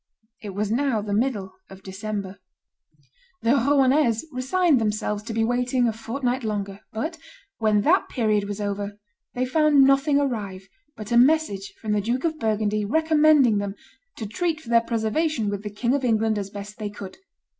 It was now the middle of December. The Rouennese resigned themselves to waiting a fortnight longer; but, when that period was over, they found nothing arrive but a message from the Duke of Burgundy recommending them "to treat for their preservation with the King of England as best they could."